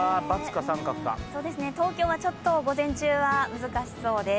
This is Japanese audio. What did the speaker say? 東京は午前中は難しそうです。